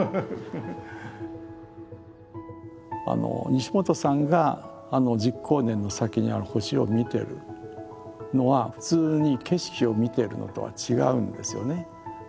西本さんが１０光年の先にある星をみてるのは普通に景色を見ているのとは違うんですよね。